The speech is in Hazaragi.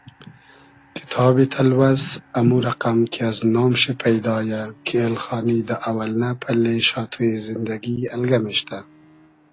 کیتابی تئلوئس امو رئقئم کی از نام شی پݷدا یۂ کی ایلخانی دۂ اۆئلنۂ پئلې شاتوی زیندئگی الگئم اېشتۂ